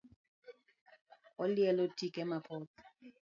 Olielo tike mapoth